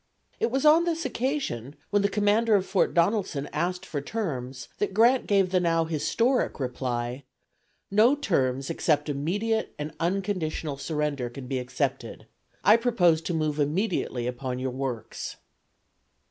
It was on this occasion, when the commander of Fort Donelson asked for terms, that Grant gave the now historic reply: "No terms except immediate and unconditional surrender can be accepted. I propose to move immediately upon your works."